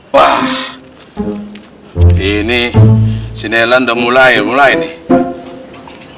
wah ini sinelan udah mulai mulai nih